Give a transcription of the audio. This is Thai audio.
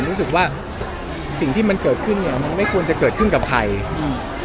รู้สึกว่าสิ่งที่มันเกิดขึ้นเนี้ยมันไม่ควรจะเกิดขึ้นกับใครอืม